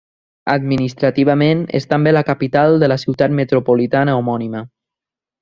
Administrativament és també la capital de la ciutat metropolitana homònima.